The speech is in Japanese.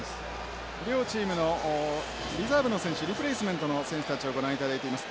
両チームのリザーブの選手リプレースメントの選手たちをご覧いただいています。